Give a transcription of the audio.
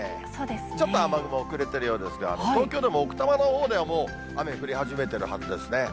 ちょっと雨雲、遅れているようですが、東京でも奥多摩のほうでは、もう雨降り始めてるはずですね。